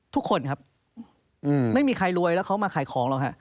ทุกคนครับไม่มีใครรวยแล้วเขามาขายของหรอกฮะ